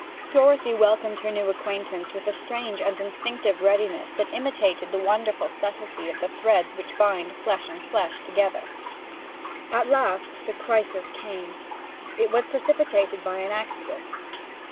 Dorothy welcomed her new acquaintance with a strange and instinctive readiness that intimated the wonderful subtlety of the threads which bind flesh and flesh together. At last the crisis came: it was precipitated by an accident.